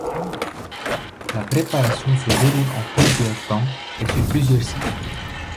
La préparation se déroule en plusieurs temps et sur plusieurs sites.